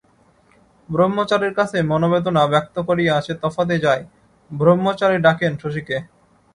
ব্রহ্মচারীর কাছে মনোবেদনা ব্যক্ত করিয়া সে তফাতে যায়, ব্রহ্মচারী ডাকেন শশীকে।